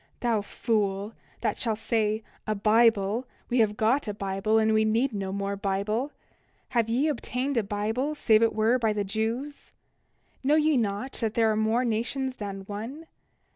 29:6 Thou fool, that shall say: A Bible, we have got a Bible, and we need no more Bible. Have ye obtained a Bible save it were by the Jews? 29:7 Know ye not that there are more nations than one?